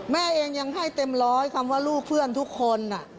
แม่เองยังให้เต็มร้อยคำว่าลูกเพื่อนทุกคน